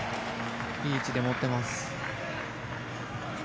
いい位置で持ってます。